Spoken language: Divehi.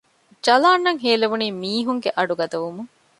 ޖަލާން އަށް ހޭލެވުނީ މީހުންގެ އަޑު ގަދަވުމުން